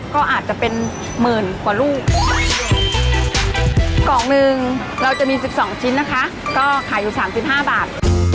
ก็อาจจะเป็นหมื่นกว่าลูกกล่องหนึ่งเราจะมี๑๒ชิ้นนะคะก็ขายอยู่๓๕บาท